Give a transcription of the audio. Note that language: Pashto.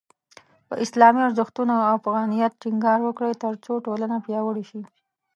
په اسلامي ارزښتونو او افغانیت ټینګار وکړئ، ترڅو ټولنه پیاوړې شي.